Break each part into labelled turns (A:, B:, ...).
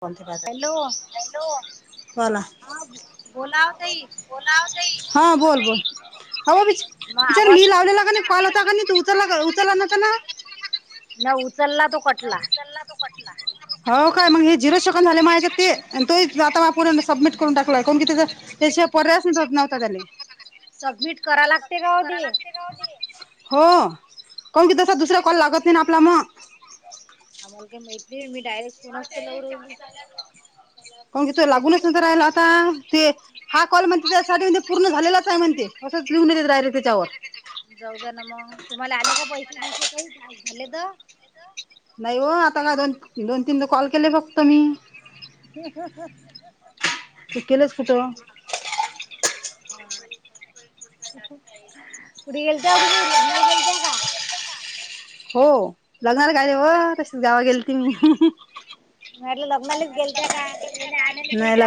A: कोणत्या बाजार हॅलो बोला बोला ओ ताई हा बोल बोल हो विचा विचार मी लावलेला का नाही कॉल होता का नाही तू उचला का उचलला नव्हता ना
B: नव
A: ता उचलला तो पटला हो काय मग हे झिरो सेकंद झाले म्हणायचं ते आणि तू आता पूर्ण सबमिट करून टाकलाय कोण किती क त्या पोरासनीचं होतं नव्हता कनी
B: सबमिट करा लागतंय गं ते
A: हो [unintelligible] की तसा दुसरा कॉल लागत नाही ना आपला मग
B: आम्हाला काय माहित नाही बाई. मी डायरेक्ट फोनचं [unintelligible]
A: काहून की तो लागूनच नाही तर राहिला आता ते हा कॉल म्हणते त्यासाठी म्हणजे पूर्ण झालेलाचं आहे म्हणते असंच लिहून देते ते डायरेक्ट त्याच्यावर
B: जाऊद्या ना मग तुम्हाला आले का पैसे बैसे काही टास्क झालेत
A: नाही ओ आता काय दोन दोन तीनदा कॉल केले फक्त मी
B: ह ह ह
A: तू केलंस कुठं.
B: पुढे गेलत तुम्ही लग्नाल गेलते का.
A: हो लग्न काय र व तशीच गावा गेली त मी
B: म्हला लग्नालाच गेलत का आणला गेलत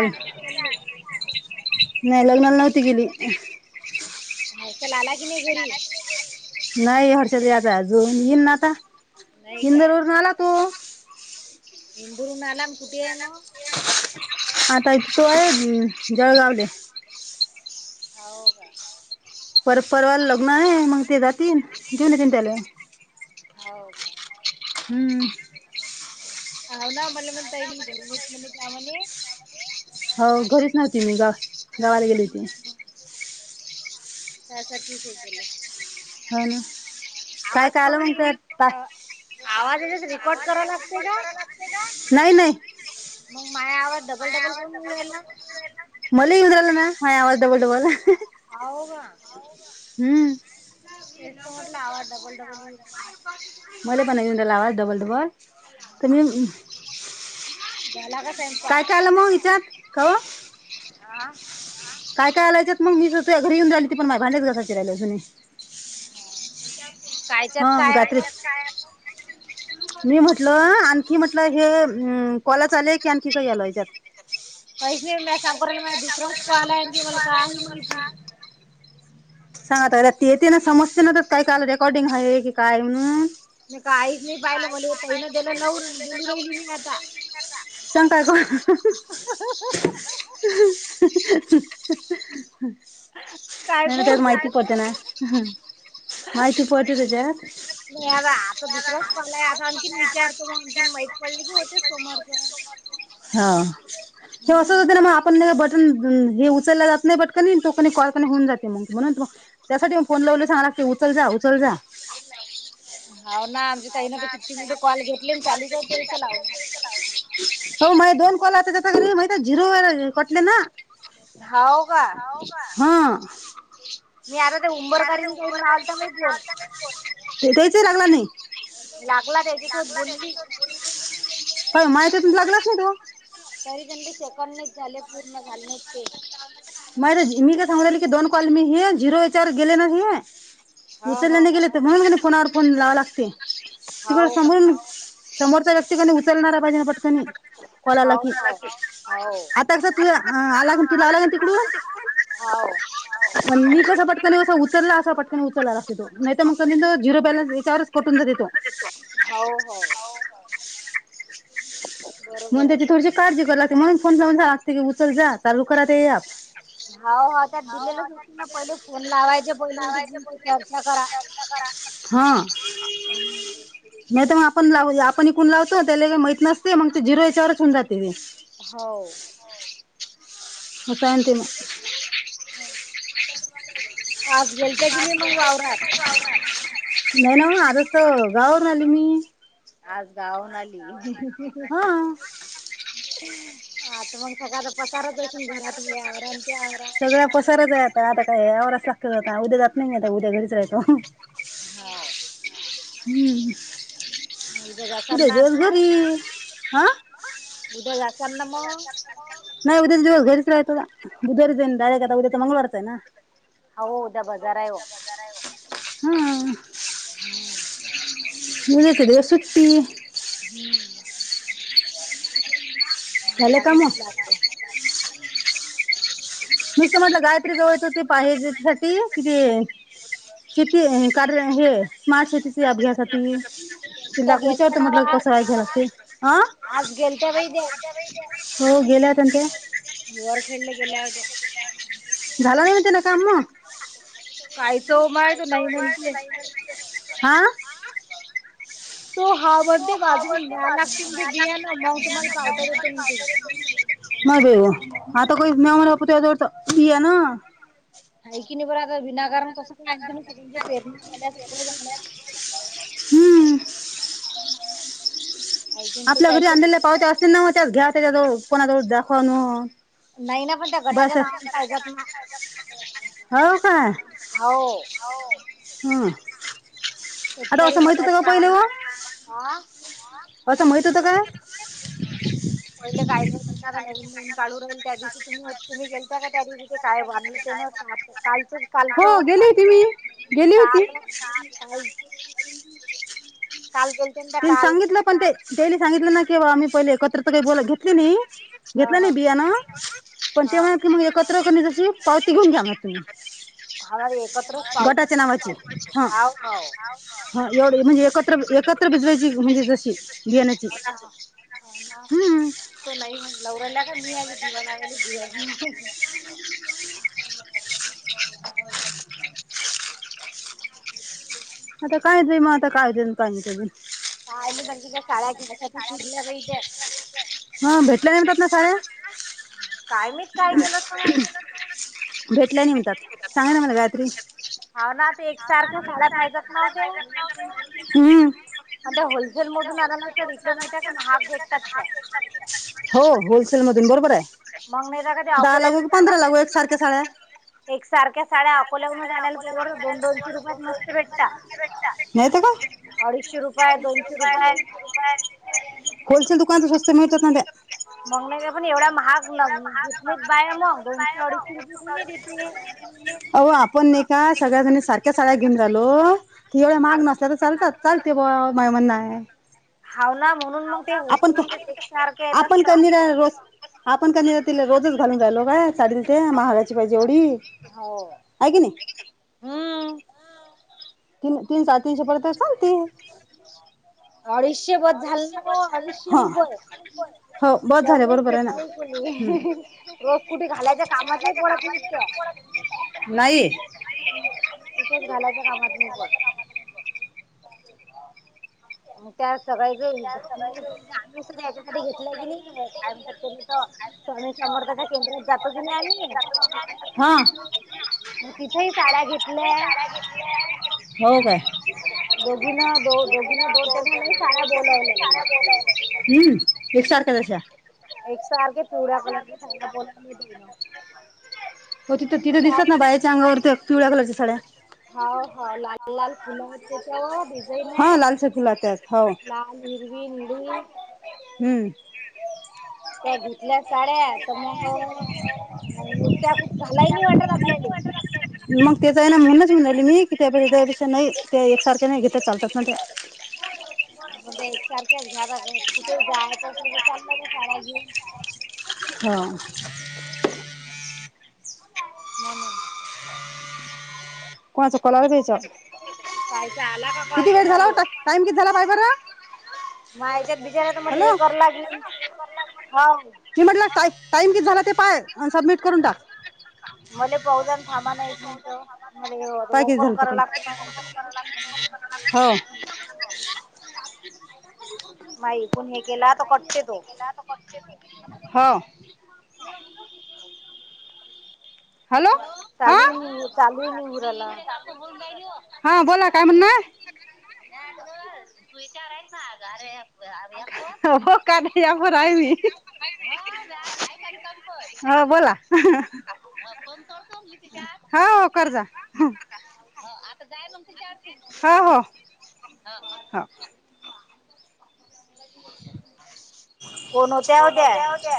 A: नाही लग्ना नव्हती गेली.
B: पार्सल आलाय
A: नाही हर्षात आताजन येईल ना आता इंदोर वरून आला तो
B: इंदूर वरून आला मग कुठे आहे तो.
A: आता इथ तो आहे जळगावले पर परवा लग्न आहे मग ते जातीलन घेऊन येतीलन त्याला हम्म
B: हो ना मला मण ये देमने
A: हो घरीच नव्हती मी गा गावाला गेली होती.
B: त्यासाठीच हे केलं.
A: हो न काय काय म्हणे आवाज येते का कट करायला लागते का नाही नाही
B: मग माझ्या आवाज डबल डबल करून येऊ राहिला.
A: मल ये इ्रल ना हाव डबल डबल
B: होव का
A: हमं
B: तेस म्हटलं आवाज डबल डबल येवू.
A: मला पण नाही लावा डबल डबल तरम्
B: झाला का.
A: काय काय आलं मग हच्यात का
B: आ
A: काय काय आलायचत मग मी घरी येन राहिली ती पण मा भलेच हा गायत्री मी म्हटलं. आण की म्हटलं हे कलाच आलेय की आणखी काही आलं याच्यात
B: काहीच नाही म सांगो मा दुसर्या पा आलायल की मला का माहिती
A: सांगाता ते येते ना समजते ना तर काय काल रेकॉर्डिंग आहे की काय म्हणून काहीच नाही पाहिलं म्ह त्या करता सांग काय करायचं. नाही तेच, माहिती पडते ना. माहिती पडते त्याच्या
B: [unintelligible] [inaudible]
A: हा हे असत हो ना मग बटन उचलल्या जात नाही कॉल जाते. सांग ला उचल जा उचल जा
B: [inaudible] हा ना आमच्या तई ना प कितीठे कॉल घेतले चालू करतेथ लावून.
A: हो मा दोन कोल त्या मा झिरो वगैरे कटले ना हा द्यायचालागला नाही. माहितीतून लागलाच नाही तो
B: सेकंड ने झाले पूर्ण आले ते.
A: माहि मी काय सांगलेलं की दोन कॉल मी हे झिरो याच्यावर गेले ना हे उचलल्या नाही गेले तर म्हणून फोनावर फोन लावाव लागते तिकडे समोरून समोरचा व्यक्ती कनी उचलणारा पाहिजे पटकणी कोणाला की आता कस तू आला तुला आला
B: होव
A: म मी कसा पटकन असा उचलला असा पटकन उचलला लागते तो नाही तर मग तर झिरो बॅलन्स याच्यावरच कटून जाते तो
B: होव
A: होव म्हणून त्याची थोडीशी काळजी कराव लागते, म्हणून फोन करून सांगावं लागते की उचल जा चालू करा ते ॲप हो, लावायच प्रयत्न करा. हा नाहीतर, मग आपण लावुया, आपण इथून लावतो त्याला माहीत नसते मग झिरो याच्यावरच होऊन जाते वीस
B: हो.
A: [unintelligible] [unintelligible] नाही ना म आजचं तर गावारून आले मी
B: आज गावावरून आली
A: ह.
B: हा मग सगळा आता पसाराच
A: सगळा पसाराच आहे, आता आता काय यावरच लागतं, उद्या जात नाही मी आता उद्या घरीच राहतो. हम्म! उद्या दिवस भर ही हा नाही दोन-तीन दिवस घरीच राहतो. बुधवारी जाईन डारेक्ट आता उद्या तर मंगळारच आहे ना
B: आहो, उद्या बाजार आहे ओ
A: हां उद्याचा दिवस सुट्टी
B: [unintelligible]
A: [unintelligible]
B: ् [unintelligible]
A: मी तर म्हटलं, गायत्री जवळ तसे पाहिजेसाठी तिथे शेती कारण हे [unintelligible] तिला दाखव विचारतो, म्हटलं कस की काय? झाल ते हा गेलत्या व्हय त्या हो गेल्या होत्या, ना त्या
B: वरखेड ला गेला होत्या.
A: झालं नाही, त्यांना काम. [unintelligible] आ तो हा वरती वाचून घ्या ना [unintelligible]
B: आहे कि, नाही बरं आता विनाकारण कसं काय ना? सगळ्यांच्या पेरण्या झाल्या सगळ झालं.
A: हम्म! आपल्या घरी आणलेल्या पावत्या असतील ना मग त्या घ्या त्याच्या जवळून कोणाजवळ दाखवन
B: नाही ना, पण त्या गटाच्या नावाने पाहिजत ना
A: हो, का?
B: होव.
A: होव हम्म
B: गटाच्या नावाने हा
A: असत माहित होतं काय
B: [unintelligible] काय बांधलं? त्यांन कालच कालच [unintelligible]
A: आणि सांगितलं पण ते डेली सांगितलं ना, की आम्ही पहिले एकत्रच काही बोलत घेतलं. घेतला नाही, बिया ना पण तेव्हा की मग एकत्र करणे जशी पावती घुन घ्या म [unintelligible]
B: आला एकत्रच पावती [inaudible] होऊ होऊ
A: हा एवढे म्हणजे एकत्र एकत्र भिजवायची म्हणजे जशी घेण्याची [inaudible] हम्म
B: नाही म नवराला का मी आली दिवानागलीवा
A: आता कायदे मता कायदन कायत
B: का म्हणज त्या शळा्या घेण्यासाठी फिरल्या पाहिजे
A: हा भेटले नाही मितात ना काय [inaudible]
B: काय मच काय केलं तू
A: भेटलाय नाही म्हणतात सांगा ना मला गायत्री [inaudible] ना एकसारखं खयक हम्म
B: म होोलसेेल मधून रिकमटाक हा बटत त्यां
A: हो होलसेल मधून बरोबर आहे [inaudible] दहा लागू क पंधरा लागू एक सारख्या साड्या [inaudible] एक सारख्या स्या अकोल्यावरून झाल्याला सो गोंडो भेटत नाहीत काय [inaudible] अडीचशे रुपये दोनशे रुपये [inaudible] होलसेल दुकान तर स्वस्त मिळतात ना त्या
B: बंगल्या पण एवढा महाग ना
A: [unintelligible] अ आपण नाही का सगळ्याजणी सारख्या साड्या घेऊन झालो त एवढ्या माग नसल्या तर चालतात चालते ब माय म्हण नाही
B: हाव ना म्हणून मग ते होलसेल मध्ये सारखे आहेत [inaudible]
A: आपण का नि तिला रोजच घालून जायलो काय साडल ते महागाची पाहिजे एवढी [inaudible] आहे की नाही
B: हम [inaudible]
A: तीन तीन सात तीनशे पर्यंत चालतो [inaudible]
B: अडीचशे बध झालं ना अडीचशे रुपय [inaudible] तेवढच घेतले तुी रोज कुठे घालायच्या कामाच्या पतत [unintelligible] तशच घालायच्या कामात नाही पण त्या सकाळी आम्ही सुद्धा याच्यासाठी घेतलं की नाही कायम स म त्या केंद्रात जातो दिने आन [unintelligible] म तिथेही साड्या घेतल्या [unintelligible] जन दो
A: [unintelligible] हम्म एकसारख्या तशा
B: एक सार क पूरा कलरला खयला पला दे [unintelligible]
A: हो तिथं तिथं दिसत ना बाहेच्या अंगावरती पिवळ्या कलरच्या साड्या
B: होा हा लाल लाल फुलं आहेत त्याच्या डिझाईन [inaudible] आहे लाल हिरवी निळी
A: हम्म
B: कधी कठल्या साड्या तर मग नुत्या कुठ खालाय नाही वाटत आपल्याला
A: मग ते जा ना म्हणूनच म्हणाली मी कि त्या पै त्या पै नाही ते एकसारख्या नाही घेत चालतात ना त्या
B: एक सारख्या झाला कुठे जाय तर त चाललं शाळा घेऊन
A: हो
B: [inaudible] [unintelligible]
A: कुणाची कॉललाच या्यायच [inaudible] किती वेळ झाला टाइम किती झाला पाहि बर
B: मा याच्यात बिचार्या तर मला हे कर लागलं हो
A: टाइम किती झाला ते पाय सबमिट करून टाक
B: मले बहुजण थांमा नाही य म्हत मला ओपन कराव लागत माई पण हे केलाता कट्ट तो
A: हा
B: चालू चालू उरला नाही
A: दुचार आहे े फ का नाही यावर आ हो हो बोला हो कर्जा आता जा ह हो कोण होत्या होत्या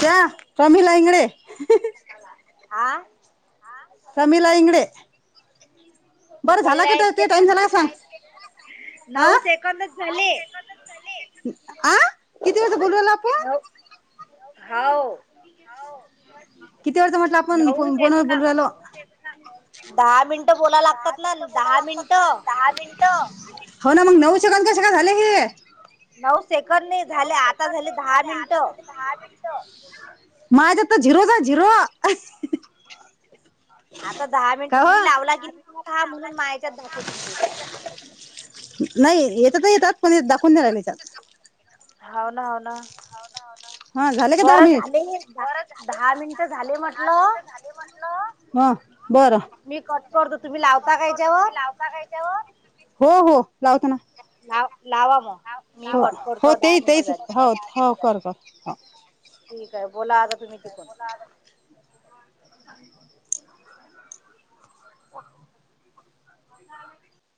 A: त्या प्रमला इंगडे समीला इंगडे बरं झाला का ते टाइम झाला सांग हा झा किती
B: हो हो नऊ ए दहा मिनट
A: दहा मिनटं बोला लागतात ना दहा मिनिटं हो ना मग नऊ सेकंद कश काय झाले हे
B: नऊ सेकड नाही झाले आता झाले दहा मिनिट
A: माझ्या तर झिरो जा झिरो
B: आता दहा मिनट मी लावला की नाही ह म्हणून मा याच्यात दाखवते ते
A: नाही येत तर येतात पण दाखवून द्याला मी त्यात
B: होाना होव ना
A: ह झाले का दहा मिनिटहा मि हा बर म करत तुम्ही लावता खयच्यावर हो हो लावताना हो हो ते तेच हो हो कर कर हो
B: ठीक आहे बोला आता तुम्ही तिकून